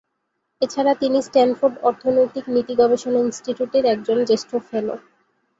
এছাড়া তিনি স্ট্যানফোর্ড অর্থনৈতিক নীতি গবেষণা ইনস্টিটিউটের একজন জ্যেষ্ঠ "ফেলো"।